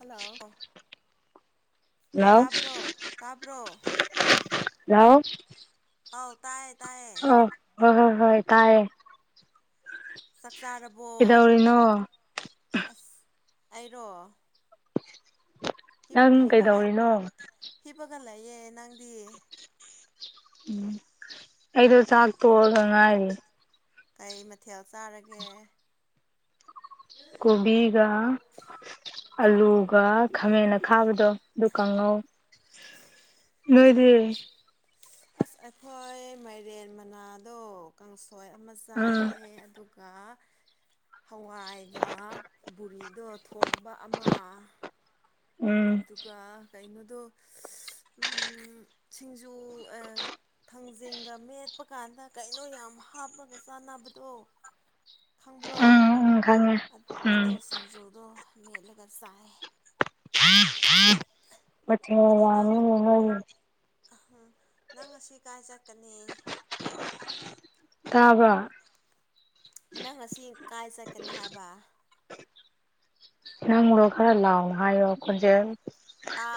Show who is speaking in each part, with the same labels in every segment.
Speaker 1: hello
Speaker 2: hello
Speaker 1: ꯇꯥꯕ꯭ꯔꯣ ꯇꯥꯕ꯭ꯔꯣ
Speaker 2: ꯌꯥꯎ
Speaker 1: ꯑꯧ ꯇꯥꯏꯌ‌ꯦ ꯇꯥꯏꯌꯦ
Speaker 2: ꯑꯣ ꯍ‌ꯣꯏ ꯍꯣꯏ ꯍꯣꯏ ꯇꯥꯏꯌꯦ
Speaker 1: ꯆꯥꯛ ꯆꯥꯔꯕꯣ
Speaker 2: ꯀꯩꯗꯧꯔꯤꯅꯣ
Speaker 1: ꯑꯁ ꯑꯩꯔꯣ ꯍꯤꯞ
Speaker 2: ꯅꯪ
Speaker 1: ꯍꯤꯞꯄꯒ
Speaker 2: ꯀꯩꯗꯧꯔꯤꯅꯣ
Speaker 1: ꯍꯤꯞꯄꯒ ꯂꯩꯌꯦ ꯅꯪꯗꯤ
Speaker 2: ꯎꯝ ꯑꯩꯗꯣ ꯆꯥꯛ ꯇꯣꯛꯑꯒ ꯉꯥꯏꯔꯤ
Speaker 1: ꯀꯩ ꯃꯊꯦꯜ ꯆꯥꯔꯒꯦ
Speaker 2: ꯀꯣꯕꯤꯒ ꯑꯂꯨꯒ ꯈꯥꯃꯦꯟ ꯑꯈꯥꯕꯤꯗꯣ ꯑꯗꯨ ꯀꯥꯡꯍꯧ ꯅꯣꯏꯗꯤ
Speaker 1: ꯑꯁ ꯑꯩꯈꯣꯏ ꯃꯥꯏꯔꯦꯟ ꯃꯅꯥꯗꯣ ꯀꯥꯡꯁꯣꯏ ꯑꯃ
Speaker 2: ꯎꯝ
Speaker 1: ꯆꯥꯏꯌꯦ ꯑꯗꯨꯒ ꯒ ꯍꯋꯥꯏꯒ ꯕꯨꯔꯤꯗꯣ ꯊꯣꯡꯕ ꯑꯃ
Speaker 2: ꯎꯝ
Speaker 1: ꯑꯗꯨꯒ ꯀꯩꯅꯣꯗꯣ ꯁꯤꯡꯖꯨ ꯊꯥꯡꯖꯤꯡꯒ ꯃꯦꯠꯄ ꯀꯥꯟꯗ ꯀꯩꯅꯣ ꯌꯥꯝ ꯍꯥꯞꯂꯄꯒ ꯆꯥꯅꯕꯗꯣ ꯈꯪꯕ꯭ꯔꯣ
Speaker 2: ꯎꯝ ꯎꯝ ꯈꯉꯦ
Speaker 1: ꯑꯗꯣ ꯁꯤꯡꯖꯨꯗꯣ ꯃꯦꯠꯂꯒ ꯆꯥꯏ ꯑꯩ ꯍ [unintelligible]
Speaker 2: ꯃ ꯋꯥꯃ ꯍꯣꯏ [unintelligible]
Speaker 1: ꯑ ꯅꯪ ꯑꯁꯤ ꯀꯥꯏ ꯆꯠꯀꯅꯤ
Speaker 2: ꯇꯥꯕ
Speaker 1: ꯅꯪ ꯉꯁꯤ ꯀꯥꯏ ꯆꯠꯀꯅꯤ ꯍꯥꯏꯕ
Speaker 2: ꯅꯣ ꯀꯔ ꯂꯥꯎ ꯍꯥꯏꯣꯖ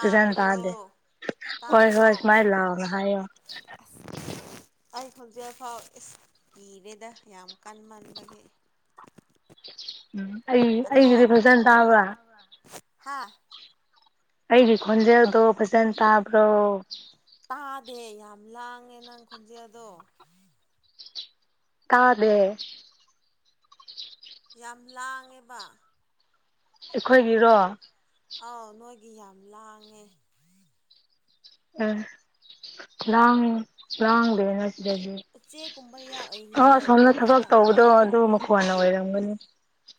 Speaker 2: ꯁꯤꯖꯅ ꯇꯥꯗꯦ ꯍꯣꯏ
Speaker 1: ꯇꯥꯕ꯭ꯔꯣ
Speaker 2: ꯍꯣꯏ ꯁꯨꯃꯥꯏꯅ ꯂꯥꯛꯑꯣꯅꯦ ꯍꯥꯏꯌꯣ
Speaker 1: [unintelligible] ꯑꯩ ꯍꯧꯣꯟꯖꯤꯦꯜꯐꯥꯎ ꯏꯁ ꯏꯤꯔꯦꯗ ꯌꯥꯝ ꯀꯟꯃꯟꯕꯒꯤ
Speaker 2: ꯎꯝ ꯑꯩ ꯑꯩꯒꯤꯗꯤ ꯐꯖꯅ ꯇꯥꯕ꯭ꯔꯥ
Speaker 1: ꯍꯥꯥ
Speaker 2: ꯑꯩꯒꯤ ꯈꯣꯟꯖꯦꯜꯗꯣ ꯐꯖꯅ ꯇꯥꯕ꯭ꯔꯣ
Speaker 1: ꯇꯥꯗꯦ ꯌꯥꯝ ꯂꯥꯡꯉꯦ ꯅꯪ ꯈꯨꯣꯟꯖꯦꯗꯣ
Speaker 2: ꯀꯥꯗꯦ
Speaker 1: ꯌꯥꯝ ꯂꯥꯡꯉꯦꯕ
Speaker 2: ꯑꯩꯈꯣꯏꯒꯤꯔꯣ
Speaker 1: ꯑꯥꯎ ꯅꯣꯏꯒꯤ ꯌꯥꯝ ꯂꯥꯡꯉꯦ
Speaker 2: ꯎ ꯂꯥꯡ ꯂꯥꯡꯗꯦꯅ ꯑꯗꯒꯤ
Speaker 1: ꯎꯆꯦꯛꯀꯨꯝꯕ
Speaker 2: ꯑ
Speaker 1: ꯂꯩꯕ꯭ꯔꯣ
Speaker 2: ꯁꯣꯝꯅ ꯊꯕꯛ
Speaker 1: ꯅꯣꯏꯗ
Speaker 2: ꯇꯧꯕꯗꯣ ꯑꯗꯨ ꯃꯈꯣꯟꯅ ꯑꯣꯏꯔꯝꯒꯅꯤ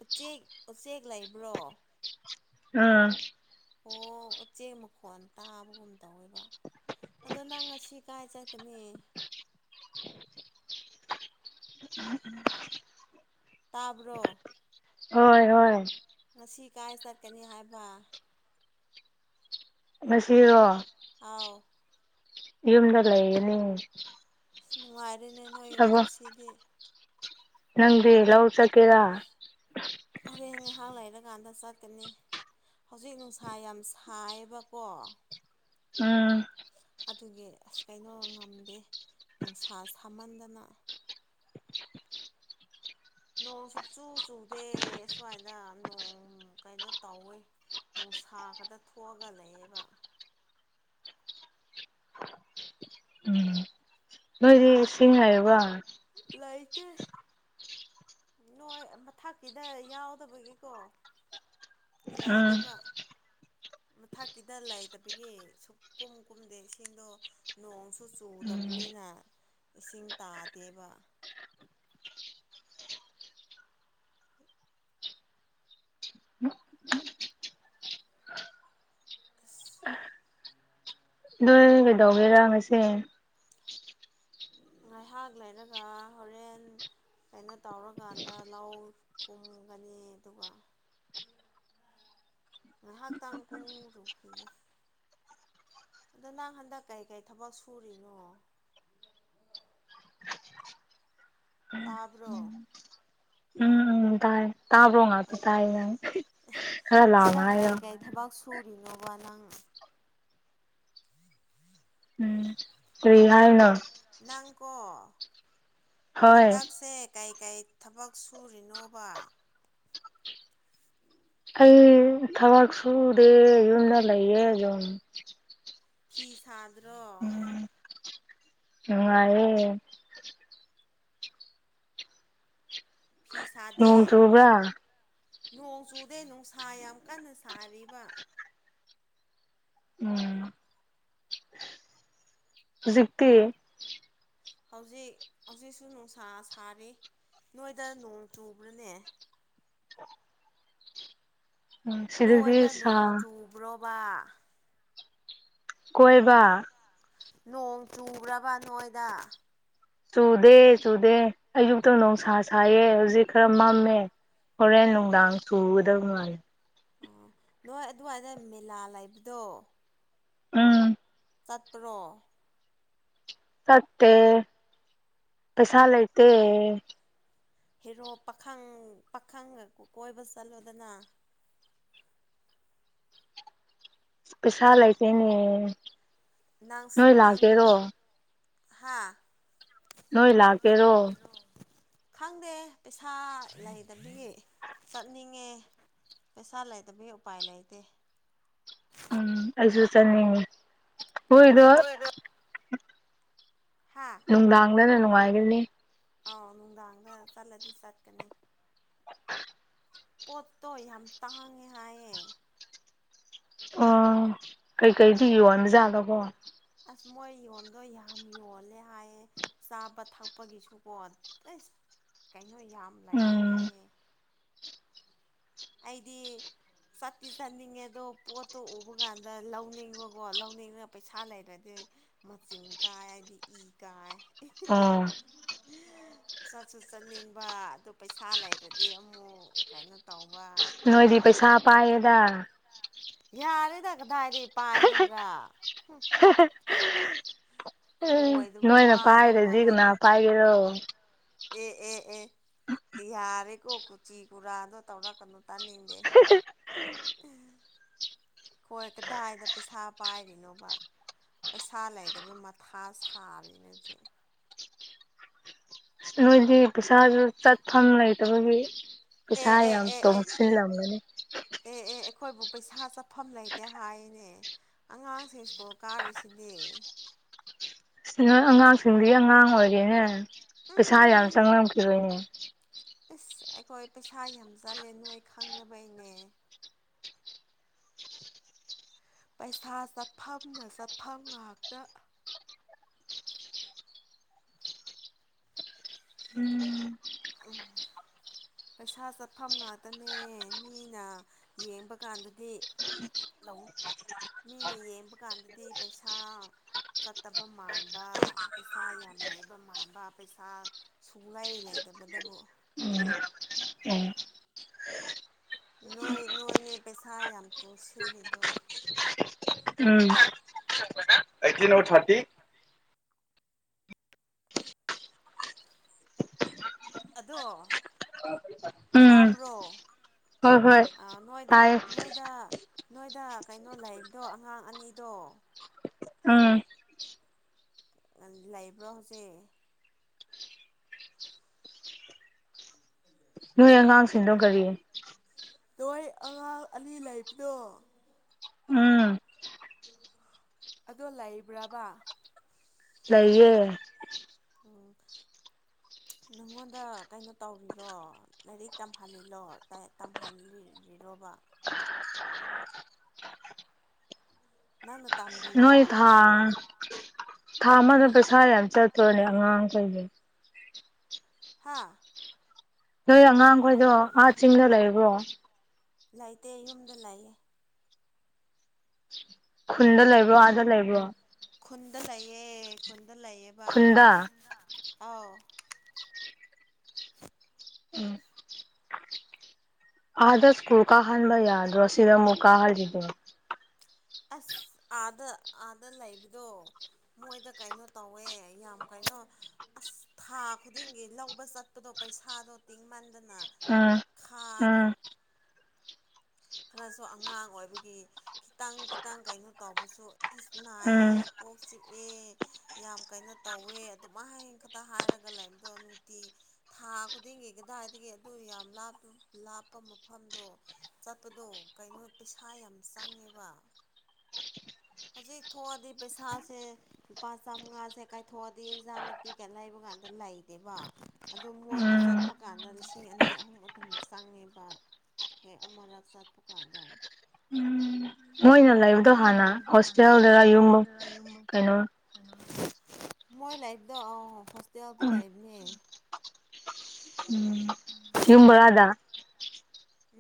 Speaker 1: ꯎꯆꯦꯛ-ꯎꯆꯦꯛ ꯂꯩꯕ꯭ꯔꯣ
Speaker 2: ꯎꯝ
Speaker 1: ꯑꯣ ꯎꯆꯦꯛ ꯃꯈꯣꯟ ꯇꯥꯕꯒꯨꯝ ꯇꯧꯋꯦꯕ ꯑꯗꯣ ꯅꯪ ꯉꯁꯤ ꯀꯥꯏ ꯆꯠꯀꯅꯤ
Speaker 2: ꯎꯝ-ꯎꯝ
Speaker 1: ꯇꯥꯕ꯭ꯔꯣ
Speaker 2: ꯍꯣꯏ-ꯍꯣꯏ
Speaker 1: ꯉꯁꯤ ꯀꯥꯏ ꯆꯠꯀꯅꯤ ꯍꯥꯏꯕ
Speaker 2: ꯉꯁꯤꯔꯣ
Speaker 1: ꯑꯧ
Speaker 2: ꯌꯨꯝꯗ ꯂꯩꯌꯦꯅꯤ
Speaker 1: ꯑꯁ ꯅꯨꯡꯉꯥꯏꯔꯦꯅꯦ ꯅꯣꯏꯒꯤ ꯄꯨꯟꯁꯤꯗꯤ
Speaker 2: ꯅꯪꯗꯤ ꯂꯧ ꯆꯠꯀꯦꯔꯥ
Speaker 1: ꯍꯣꯔꯦꯟ ꯉꯥꯏꯍꯥꯛ ꯂꯩꯔꯀꯥꯟꯗ ꯆꯠꯀꯅꯤ ꯍꯧꯖꯤꯛ ꯅꯨꯡꯁꯥ ꯌꯥꯝ ꯁꯥꯏꯌꯦꯕꯀꯣ
Speaker 2: ꯎꯝ
Speaker 1: ꯑꯗꯨꯒꯤ ꯑꯁ ꯀꯩꯅꯣ ꯉꯝꯗꯦ ꯅꯨꯡꯁꯥ ꯁꯥꯃꯟꯗꯅ ꯅꯣꯡ ꯁꯨꯛ ꯆꯨ ꯆꯨꯗꯦ ꯑꯁꯨꯋꯥꯏꯗ ꯅꯣꯡ ꯀꯩꯅꯣ ꯇꯧꯋꯦ ꯅꯨꯡꯁꯥ ꯈꯛꯇ ꯊꯣꯛꯑꯒ ꯂꯩꯌꯦꯕ
Speaker 2: ꯁꯤꯔꯤꯁꯤꯡ ꯍꯥꯏꯕ [unintelligible]
Speaker 1: ꯂꯩꯇꯦ ꯅꯣꯏ ꯃꯊꯛꯀꯤꯗ ꯌꯥꯎꯗꯕꯒꯤꯀꯣ
Speaker 2: ꯎꯝ
Speaker 1: ꯌꯥꯗꯦꯕ ꯃꯊꯛꯀꯤꯗ ꯂꯩꯥꯏꯇꯕꯒꯤ ꯁꯨꯛ ꯀꯨꯝ ꯀꯨꯝꯗꯦ ꯏꯁꯤꯡꯗꯣ ꯅꯣꯡꯁꯨ ꯆꯨꯗꯕꯅꯤꯅ ꯏꯁꯤꯡ ꯇꯥꯗꯦꯕ ꯈꯁ
Speaker 2: ꯑꯩꯣꯏ ꯀꯩꯗꯧꯒꯦꯔꯥꯁꯦ
Speaker 1: ꯉꯥꯏꯍꯥꯛ ꯂꯩꯔꯒ ꯍꯣꯔꯦꯟ ꯀꯥꯏꯅ ꯇꯧꯔꯀꯥꯟꯗ ꯂꯧ ꯀꯨꯝꯒꯅꯤ ꯑꯗꯨꯒ ꯉꯥꯏꯍꯥꯛꯇꯥꯡ ꯀꯣꯉꯨꯔꯨꯈꯤꯒꯦ ꯑꯗꯣ ꯅꯪ ꯍꯟꯗꯛ ꯀꯩꯀꯩ ꯊꯕꯛ ꯁꯨꯔꯤꯅꯣ ꯇꯥꯕ꯭ꯔꯣ
Speaker 2: ꯎꯝ ꯎꯝ ꯇꯥꯏ ꯇꯥꯕ꯭ꯔꯣ ꯉꯥꯛꯇ ꯇꯥꯏ ꯅꯪ ꯈꯔ ꯂꯥꯎꯅ ꯍꯥꯏꯔꯣ
Speaker 1: ꯑꯦꯊꯕ [unintelligible] ꯊꯔꯤꯅꯣꯕ ꯅꯉ [unintelligible]
Speaker 2: ꯎꯝ ꯀꯔꯤ ꯍꯥꯏꯅꯣ
Speaker 1: ꯅꯪꯀꯣ
Speaker 2: ꯍꯣꯏ
Speaker 1: ꯍꯟꯇꯛꯁꯦ ꯀꯩ ꯀꯩ ꯊꯕꯛ ꯁꯨꯔꯤꯅꯣꯕ
Speaker 2: ꯑꯩ ꯊꯕꯛ ꯁꯨꯗꯦ ꯌꯨꯝꯗ ꯂꯩꯌꯦ ꯌꯨꯝ
Speaker 1: ꯐꯤ ꯁꯥꯗ꯭ꯔꯣ
Speaker 2: ꯎꯝ ꯅꯨꯡꯉꯥꯏꯌꯦ
Speaker 1: ꯐꯤ ꯁꯥꯗꯦ
Speaker 2: ꯅꯣꯡ ꯆꯨꯕ꯭ꯔꯥ
Speaker 1: ꯅꯣꯡ ꯆꯨꯗꯦ ꯅꯨꯡꯁꯥ ꯌꯥꯝ ꯀꯟꯅ ꯁꯥꯔꯤꯕ
Speaker 2: ꯎꯝ ꯖꯤꯛꯇꯛꯇ
Speaker 1: ꯍꯧꯖꯤꯛ ꯍꯧꯖꯤꯛꯁꯨ ꯅꯨꯡꯁꯥ ꯁꯥꯔꯤ ꯅꯣꯏꯗ ꯅꯣꯡ ꯆꯨꯕ꯭ꯔꯥꯅꯦ
Speaker 2: ꯁꯤꯗꯗꯤ
Speaker 1: ꯅꯣꯏꯗ
Speaker 2: ꯁꯥ
Speaker 1: ꯅꯣꯡ ꯆꯨꯕ꯭ꯔꯣꯕ
Speaker 2: ꯀꯣꯏꯕ
Speaker 1: ꯅꯣꯡ ꯆꯨ꯭ꯔꯕ ꯅꯣꯏꯗ
Speaker 2: ꯆꯨꯗꯦ ꯆꯨꯗꯦ ꯑꯌꯨꯛꯇꯪ ꯣꯡꯁꯥ ꯁꯥꯏꯌꯦ ꯍꯧꯖꯤꯛ ꯈꯔ ꯃꯝꯃꯦ ꯍꯣꯔꯦꯟ ꯅꯨꯡꯗꯥꯡ ꯆꯨꯒꯗꯕ ꯃꯥꯜꯂꯦ
Speaker 1: ꯑꯥ ꯅꯣꯏ ꯑꯗꯨꯋꯥꯏꯗ ꯃꯦꯂꯥ ꯂꯩꯕꯗꯣ
Speaker 2: ꯎꯝ
Speaker 1: ꯆꯠꯄ꯭ꯔꯣ
Speaker 2: ꯆꯠꯠꯇꯦ ꯀꯩꯁꯂꯥꯏꯇ
Speaker 1: ꯍꯦꯔꯣ ꯄꯥꯈꯪ ꯄꯥꯈꯪꯒ ꯀꯣꯏꯕ ꯆꯠꯂꯣꯗꯅ
Speaker 2: ꯄꯩꯁꯥ ꯂꯩꯇꯦꯅꯦ
Speaker 1: ꯅꯪ
Speaker 2: ꯅꯣꯏ
Speaker 1: ꯅꯪ
Speaker 2: ꯂꯥꯛꯀꯦꯔꯣ
Speaker 1: ꯍꯥꯥ
Speaker 2: ꯅꯣꯏ ꯂꯥꯛꯀꯦꯔꯣ
Speaker 1: ꯂꯂꯣ ꯈꯪꯗꯦ ꯄꯩꯁꯥ ꯂꯩꯗꯗꯤ ꯆꯠꯅꯤꯡꯉꯦ ꯄꯩꯁꯥ ꯂꯩꯇꯕꯒꯤ ꯎꯄꯥꯏ ꯂꯩꯇꯦ
Speaker 2: ꯎꯝ ꯑꯩꯁꯨ ꯆꯠꯅꯤꯡꯉꯤ ꯍꯣꯏꯗꯣ
Speaker 1: ꯍꯥꯥ
Speaker 2: ꯂꯥꯡꯗꯅꯅꯅꯨꯡꯉꯥꯏꯒꯅꯤ
Speaker 1: ꯑꯧ ꯅꯨꯡꯗꯥꯡꯗ ꯆꯠꯂꯗꯤ ꯆꯠꯀꯅꯤ ꯄꯣꯠꯇꯣ ꯌꯥꯝ ꯇꯥꯡꯉꯦ ꯍꯥꯏꯌꯦ
Speaker 2: ꯑꯣ ꯀꯩꯀꯩꯗꯤ ꯌꯣꯟꯕꯖꯥꯠꯂꯕꯣ
Speaker 1: ꯑꯁ ꯃꯣꯏ ꯌꯣꯟꯗꯣ ꯌꯥꯝ ꯌꯣꯜꯂꯦ ꯍꯥꯏꯌꯦ ꯆꯥꯕ ꯊꯛꯄꯒꯤꯁꯨꯀꯣ ꯑꯁ ꯀꯩꯅꯣ ꯌꯥꯝ ꯂꯩꯌꯦ
Speaker 2: ꯎꯝ
Speaker 1: ꯍꯥꯏꯌꯦ ꯑꯩꯗꯤ ꯆꯠꯇꯤ ꯆꯠꯅꯤꯡꯉꯦ ꯑꯗꯣ ꯄꯣꯠꯇꯣ ꯎꯕ ꯀꯥꯟꯗ ꯂꯧꯅꯤꯡꯕꯀꯣ ꯂꯧꯅꯤꯡꯉꯒ ꯄꯩꯁꯥ ꯂꯩꯔꯗꯤ ꯃꯆꯤꯟ ꯀꯥꯏ ꯍꯥꯏꯕꯗꯤ ꯏ ꯀꯥꯏ
Speaker 2: ꯑꯥ
Speaker 1: ꯆꯠꯁꯨ ꯆꯠꯅꯤꯡꯕ ꯑꯗꯨ ꯄꯩꯁꯥ ꯂꯩꯔꯗꯤ ꯑꯃꯨꯛ ꯀꯩꯅꯣ ꯇꯧꯕ
Speaker 2: ꯅꯣꯏꯗꯤ ꯄꯩꯁꯥ ꯄꯥꯏꯌꯦꯗ
Speaker 1: ꯌꯥꯔꯦꯗ ꯀꯗꯥꯏꯗꯩ ꯄꯥꯏꯒꯗ꯭ꯔꯥ ꯑꯣꯏꯗꯕ
Speaker 2: ꯅꯣꯏꯅ
Speaker 1: ꯋꯥꯗꯣ
Speaker 2: ꯄꯥꯏꯗꯔꯗꯤ
Speaker 1: ꯉꯥꯡꯂꯛ
Speaker 2: ꯀꯅꯥ ꯄꯥꯏꯒꯦꯔꯣ
Speaker 1: ꯑꯦ ꯑꯦ ꯑꯦ ꯌꯥꯔꯦꯀꯣ ꯀꯨꯆꯤ ꯀꯨꯔꯥꯗꯣ ꯇꯧꯔꯛꯀꯅꯨ ꯇꯥꯅꯤꯡꯗꯦ
Speaker 2: [inaudible]
Speaker 1: ꯈꯣꯏ ꯀꯗꯥꯏꯗ ꯄꯩꯁꯥ ꯄꯥꯏꯔꯤꯅꯣꯕ ꯄꯩꯁꯥ ꯂꯩꯇꯕꯩ ꯃꯊꯥ ꯁꯥꯔꯤꯅꯦ ꯍꯧꯖꯤꯛ
Speaker 2: ꯅꯣꯏꯗꯤ ꯄꯩꯁꯥꯖꯨ ꯆꯠꯐꯝ ꯂꯩꯇꯕꯒꯤ ꯄꯩꯁꯥ
Speaker 1: ꯑꯦ ꯑꯦ
Speaker 2: ꯌꯥꯝ
Speaker 1: ꯑꯦ ꯑꯦ
Speaker 2: ꯇꯣꯡꯁꯤꯜꯂꯝꯒꯅꯤ
Speaker 1: ꯑꯦ ꯑꯦ ꯑꯩꯈꯣꯏꯕꯨ ꯄꯩꯁꯥ ꯆꯠꯐꯝ ꯂꯩꯇꯦ ꯍꯥꯏꯅꯦ ꯑꯉꯥꯡꯁꯤꯡ ꯁ꯭ꯀꯨꯜ ꯀꯥꯔꯤꯁꯤꯗꯤ
Speaker 2: ꯅꯣꯏ ꯑꯉꯥꯡꯁꯤꯡꯗꯤ ꯑꯉꯥꯡ ꯑꯣꯏꯔꯦꯅꯦ ꯄꯩꯁꯥ ꯌꯥꯝ
Speaker 1: ꯎꯝ
Speaker 2: ꯆꯪꯂꯝꯈꯤꯔꯣꯏꯅꯦ
Speaker 1: ꯏꯁ ꯑꯩꯈꯣꯏ ꯄꯩꯁꯥ ꯌꯥꯝ ꯆꯠꯂꯦ ꯅꯣꯏ ꯈꯪꯗꯕꯩꯅꯦ ꯄꯩꯁꯥ ꯆꯠꯐꯝꯅ ꯆꯠꯐꯝ ꯉꯥꯛꯇ [unintelligible] ꯄꯩꯁꯥ ꯆꯠꯐꯝ ꯉꯥꯛꯇꯅꯦ ꯃꯤꯅ ꯌꯦꯡꯕ ꯀꯥꯟꯗꯗꯤ ꯂꯧ ꯃꯤꯅ ꯌꯦꯡꯕ ꯀꯥꯟꯗꯗꯤ ꯄꯩꯁꯥ ꯆꯠꯇꯕ ꯃꯥꯟꯕ ꯄꯩꯁꯥ ꯌꯥꯝ ꯂꯩꯕ ꯃꯥꯟꯕ ꯄꯩꯁꯥ ꯁꯨꯡꯂꯩꯏ ꯂꯩꯇꯕꯗꯕꯨ
Speaker 2: [inaudible] ꯎꯝ
Speaker 1: ꯅꯣꯏ ꯅꯣꯏꯅꯦ ꯄꯩꯁꯥ ꯌꯥꯝ ꯇꯨꯡꯁꯤꯜꯂꯤꯗꯣ
Speaker 2: ꯎꯝ [unintelligible]
Speaker 1: [unintelligible] ꯑꯗꯣ
Speaker 2: ꯎꯝ
Speaker 1: ꯇꯥꯕ꯭ꯔꯣ
Speaker 2: ꯍꯣꯏ ꯍꯣꯏ
Speaker 1: ꯑ ꯅꯣꯏꯗ
Speaker 2: ꯇꯥꯏꯌꯦ
Speaker 1: ꯅꯣꯏꯗ ꯅꯣꯏꯗ ꯀꯩꯅꯣ ꯂꯩꯕꯗꯣ ꯑꯉꯥꯡ ꯑꯅꯤꯗꯣ
Speaker 2: ꯎꯝ
Speaker 1: ꯂꯩꯕ꯭ꯔꯣ ꯍꯧꯖꯤꯛ
Speaker 2: ꯅꯣꯏ ꯑꯉꯥꯡꯁꯤꯡꯗꯣ ꯀꯔꯤ
Speaker 1: ꯅꯣꯏ ꯑꯉꯥꯡ ꯑꯅꯤ ꯂꯩꯕꯗꯣ
Speaker 2: ꯎꯝ
Speaker 1: ꯑꯗꯣ ꯂꯩꯕ꯭ꯔꯥꯕ
Speaker 2: ꯂꯩꯌꯦ
Speaker 1: ꯎꯝ ꯅꯪꯉꯣꯟꯗ ꯀꯩꯅꯣ ꯇꯧꯔꯤꯔꯣ ꯂꯥꯏꯔꯤꯛ ꯇꯝꯍꯜꯂꯤꯂꯣ ꯇꯝꯍꯜꯂꯤꯔꯤꯔꯣꯕ ꯅꯪꯅ ꯇꯝꯔꯤꯔꯣ
Speaker 2: ꯅꯣꯏ ꯊꯥ ꯊꯥ ꯑꯃꯗ ꯄꯩꯁꯥ ꯌꯥꯝ ꯆꯠꯇ꯭ꯔꯣꯅꯦ ꯑꯉꯥꯡꯈꯩꯒꯤ
Speaker 1: ꯍꯥꯥ
Speaker 2: ꯅꯣꯏ ꯑꯉꯥꯡꯈꯣꯏꯗꯣ ꯑꯥ ꯆꯤꯡꯗ ꯂꯩꯕ꯭ꯔꯣ
Speaker 1: ꯂꯩꯇꯦ ꯌꯨꯝꯗ ꯂꯩꯌꯦ
Speaker 2: ꯈꯨꯟꯗ ꯂꯩꯕ꯭ꯔꯣ ꯑꯥꯗ ꯂꯩꯕ꯭ꯔꯣ
Speaker 1: ꯈꯨꯟꯗ ꯂꯩꯌꯦ ꯈꯨꯟꯗ ꯂꯩꯌꯦꯕ ꯈꯨꯟꯗ ꯑꯥꯎ
Speaker 2: ꯎꯝ ꯑꯗꯥ ꯁꯀꯨ꯭ꯜ ꯀꯥꯍꯟꯕ ꯌꯥꯗ꯭ꯔꯣ ꯁꯤꯗ ꯃꯨ ꯀꯥ ꯍꯥꯜꯂꯤꯗꯣ
Speaker 1: ꯑꯁ ꯑꯥꯗ ꯑꯥꯗ ꯂꯩꯕꯗꯣ ꯃꯣꯏꯗ ꯀꯩꯅꯣ ꯇꯧꯋꯦ ꯌꯥꯝ ꯀꯩꯅꯣ ꯑꯁ ꯊꯥ ꯈꯨꯗꯤꯡꯒꯤ ꯂꯧꯕ ꯆꯠꯄꯗꯣ ꯄꯩꯁꯥꯗꯣ ꯇ ꯇꯤꯡ ꯃꯟꯗꯅ
Speaker 2: ꯎꯝ
Speaker 1: ꯈꯥꯔꯦ
Speaker 2: ꯎꯝ
Speaker 1: ꯈꯔꯁꯨ ꯑꯉꯥꯡ ꯑꯣꯏꯕꯒꯤ ꯈꯤꯇꯪ ꯈꯤꯇꯪ ꯀꯩꯅꯣ ꯇꯧꯕꯁꯨ ꯑꯦꯁ ꯅꯥꯏꯑꯦ
Speaker 2: ꯎꯝ
Speaker 1: ꯀꯣꯛ ꯆꯤꯛꯑꯦ ꯌꯥꯝ ꯀꯩꯅꯣ ꯇꯧꯋꯦ ꯑꯗꯨꯃꯥꯏ ꯍꯌꯦꯡ ꯈꯛꯇ ꯍꯥꯏꯔꯒ ꯂꯥꯏꯔꯤꯝꯗꯣ ꯅꯨꯡꯇꯤ ꯊꯥ ꯈꯨꯗꯤꯡꯒꯤ ꯀꯗꯥꯏꯗꯒꯤ ꯑꯗꯨ ꯌꯥꯝꯞ ꯂꯥꯞꯄ ꯃꯐꯝꯗꯣ ꯆꯠꯄꯗꯣ ꯀꯩꯅꯣ ꯄꯩꯁꯥ ꯌꯥꯝ ꯆꯪꯉꯦꯕ ꯍꯧꯖꯤꯛ ꯊꯣꯛꯑꯗꯤ ꯄꯩꯁꯥꯁꯦ ꯂꯨꯄꯥ ꯆꯥꯃꯉꯥꯁꯦ ꯀꯥꯏꯊꯣꯛꯑꯗꯤ ꯏꯟꯖꯥꯡꯅ ꯄꯤꯛꯀ ꯂꯩꯕ ꯀꯥꯟꯗ ꯂꯩꯗꯦꯕ ꯑꯗꯨ ꯃꯣꯏꯗ
Speaker 2: ꯎꯝ
Speaker 1: ꯆꯠꯄ ꯀꯥꯟꯗ ꯂꯤꯁꯤꯡ ꯑꯅꯤ ꯑꯍꯨꯝ ꯑꯗꯨꯛ ꯆꯥꯡꯉꯤꯕ ꯍꯦꯛ ꯑꯃꯨꯔꯛ ꯆꯠꯄ ꯀꯥꯟꯗ
Speaker 2: ꯃꯣꯏꯅ ꯂꯩꯕꯗꯣ
Speaker 1: ꯃꯣꯏꯅ
Speaker 2: ꯍꯥꯟꯅ
Speaker 1: ꯂꯩꯕꯗꯣ ꯍꯥꯟꯅ
Speaker 2: ꯍꯣꯁꯇꯦꯜꯗꯔ ꯌꯨꯝ
Speaker 1: ꯍꯣꯁꯇꯦꯜꯗꯔ ꯌꯨꯝ
Speaker 2: ꯀꯩꯅꯣ
Speaker 1: ꯃꯣꯏ ꯂꯥꯏꯕꯗ ꯍꯣꯁꯇꯦꯜ ꯂꯥꯏꯕꯅꯦ
Speaker 2: ꯎꯝ ꯅꯤꯡꯕꯗ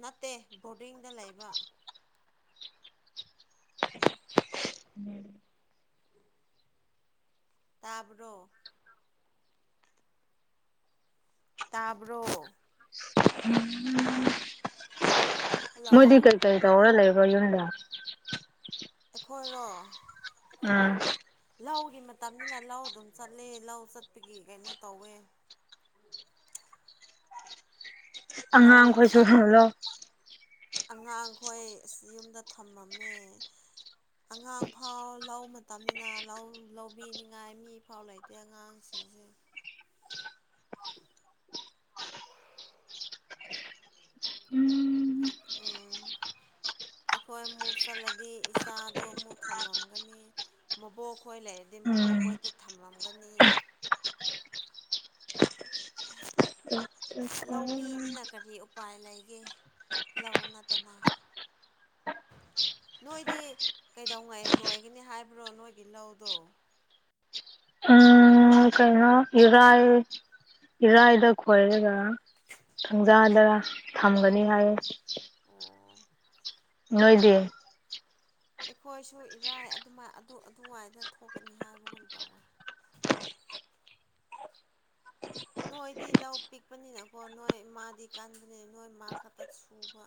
Speaker 1: ꯅꯠꯇꯦ ꯕꯣꯔꯗꯤꯡꯗ ꯂꯩꯕ
Speaker 2: ꯎꯝ
Speaker 1: ꯇꯥꯕ꯭ꯔꯣ ꯇꯥꯕ꯭ꯔꯣ
Speaker 2: ꯎ
Speaker 1: ꯍꯜꯂꯣ
Speaker 2: ꯃꯖꯤ ꯀꯩ ꯇꯥꯏꯗ ꯑꯣꯔꯂ ꯏꯕ ꯌꯟꯗ
Speaker 1: ꯑꯩꯈꯣꯏꯔꯣ
Speaker 2: ꯎꯝ
Speaker 1: ꯂꯧꯒꯤ ꯃꯇꯝꯅꯤꯅ ꯂꯧ ꯑꯗꯨꯝ ꯆꯠꯂꯦ ꯂꯧ ꯆꯠꯄꯒꯤ ꯀꯩꯅꯣ ꯇꯧꯋꯦ ꯂꯧ ꯆꯠ
Speaker 2: ꯑꯉꯥꯡꯈꯣꯏꯁꯨꯂꯣ
Speaker 1: ꯑꯉꯥꯡꯈꯣꯏ ꯑꯁ ꯌꯨꯝꯗ ꯊꯝꯃꯝꯃꯦ ꯑꯉꯥꯡ ꯐꯥꯎ ꯂꯧ ꯃꯇꯝꯅꯤꯅ ꯂꯧ ꯂꯧꯕꯤꯅꯤꯡꯉꯥꯏ ꯃꯤ ꯐꯥꯎ ꯂꯩꯇꯦ ꯑꯉꯥꯡ ꯁꯤꯖꯦ [unintelligible]
Speaker 2: ꯎꯝ
Speaker 1: ꯎ ꯑꯩꯈꯣꯏ ꯑꯃꯨꯛ ꯆꯠꯂꯗꯤ ꯏꯆꯥꯗꯣ ꯑꯃꯨꯛ ꯊꯝꯂꯝꯒꯅꯤ ꯃꯕꯣꯛ ꯈꯣꯏ ꯂꯩꯔꯗꯤ ꯃꯕꯣꯛ
Speaker 2: ꯎꯝ
Speaker 1: ꯈꯣꯏꯇ ꯊꯝꯂꯝꯒꯅꯤ
Speaker 2: ꯎ
Speaker 1: ꯂꯧꯃꯤꯅꯤꯅ ꯀꯔꯤ ꯎꯄꯥꯏ ꯂꯩꯒꯦ ꯂꯧ ꯅꯠꯇꯅ [unintelligible] ꯅꯣꯏꯗꯤ ꯀꯩꯗꯧꯉꯩ ꯂꯣꯏꯒꯅꯤ ꯍꯥꯏꯕ꯭ꯔꯣ ꯅꯣꯏꯒꯤ ꯂꯧꯗꯣ
Speaker 2: ꯏꯔꯑ ꯏꯔꯥꯏꯗ ꯈꯣꯏꯔꯒ ꯊꯪꯖꯥꯗ ꯊꯝꯒꯅꯤ ꯍꯥꯏꯌꯦ
Speaker 1: ꯑꯣ
Speaker 2: ꯅꯣꯏꯗꯤ
Speaker 1: ꯑꯩꯈꯣꯏꯁꯨ ꯏꯔꯥꯏ ꯑꯗꯨꯃꯥꯏ ꯑꯗꯨ ꯑꯗꯨꯋꯥꯏꯗ ꯊꯣꯛꯀꯅꯤ ꯍꯥꯏꯕꯒꯨꯝ ꯇꯧꯋꯤ
Speaker 2: [unintelligible]
Speaker 1: ꯅꯣꯏꯗꯤ ꯂꯧ ꯄꯤꯛꯄꯅꯤꯅꯀꯣ ꯅꯣꯏ ꯃꯥꯗꯤ ꯀꯥꯟꯕꯅꯤꯅ ꯅꯣꯏ ꯃꯥ ꯈꯛꯇ ꯁꯨꯕ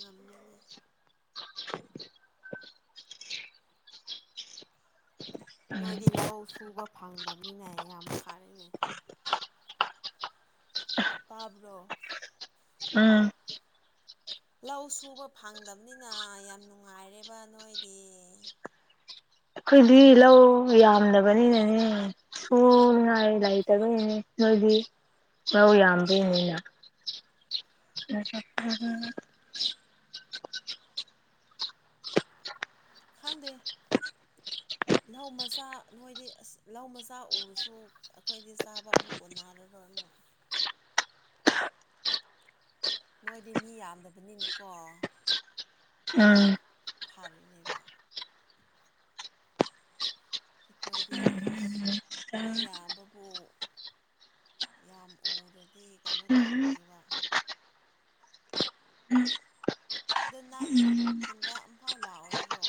Speaker 1: ꯉꯝꯦ ꯅꯣꯏꯗꯤ ꯂꯧ ꯁꯨꯕ ꯐꯪꯗꯕꯅꯤꯅ ꯌꯥꯝ ꯐꯔꯦꯅꯦ ꯇꯥꯕ꯭ꯔꯣ
Speaker 2: ꯎꯝ
Speaker 1: ꯂꯧ ꯁꯨꯕ ꯐꯪꯗꯕꯅꯤꯅ ꯌꯥꯝ ꯅꯨꯡꯉꯥꯏꯔꯦꯕ ꯅꯣꯏꯗꯤ
Speaker 2: ꯑꯩꯈꯣꯏꯗꯤ ꯂꯧ ꯌꯥꯝꯗꯕꯅꯤꯅꯅꯦ ꯁ ꯉ ꯂꯥꯏ ꯇꯒꯣꯅꯦ ꯅꯣꯏꯗꯤ ꯂꯧ ꯌꯥꯝꯗꯅꯤꯅ
Speaker 1: ꯈꯪꯗꯦ ꯂꯧ ꯃꯆꯥ ꯅꯣꯏꯗꯤ ꯑꯁ ꯂꯧ ꯃꯆꯥ ꯎꯔꯁꯨ ꯑꯩꯈꯣꯏꯗꯤ ꯆꯥꯕ ꯑꯃꯨꯛ ꯀꯣꯟꯅꯔꯔꯣꯏꯅꯦ ꯅꯣꯏꯗꯤ ꯃꯤ ꯌꯥꯝꯗꯕꯅꯤꯅꯀꯣ
Speaker 2: ꯎꯨꯝ
Speaker 1: ꯐꯥꯔꯤꯅꯦꯕ ꯑꯩꯈꯣꯏꯗꯤ ꯏꯁ ꯃꯤ ꯌꯥꯝꯕꯕꯨ ꯌꯥꯝ ꯎꯔꯗꯤ ꯀꯩꯅꯣ ꯇꯧꯅꯤꯕ ꯑꯗꯣ ꯅꯪ ꯈꯨꯟꯗ ꯑꯝꯐꯥꯎ ꯂꯥꯛꯑꯣꯏꯗ꯭ꯔꯣ